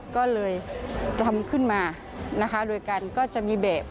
ก็เลยทำขึ้นมานะคะโดยกันก็จะมีแบบ